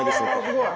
すごい。